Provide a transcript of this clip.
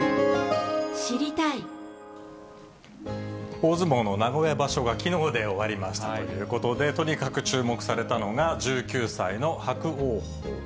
大相撲の名古屋場所がきのうで終わりましたということで、とにかく注目されたのが、１９歳の伯桜鵬。